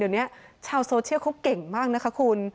เดี๋ยวนี้ชาวโซเชียลเขาเก่งมากนะคะคุณ